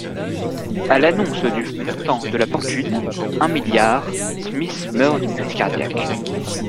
À l'annonce du montant de la fortune, un milliard, Smith meurt d'une crise cardiaque.